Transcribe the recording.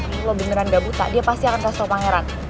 kalau beneran gak buta dia pasti akan kasih tahu pangeran